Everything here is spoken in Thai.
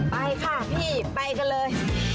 ไปค่ะพี่ไปกันเลย